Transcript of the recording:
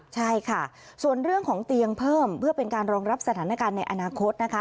ใช่ค่ะส่วนเรื่องของเตียงเพิ่มเพื่อเป็นการรองรับสถานการณ์ในอนาคตนะคะ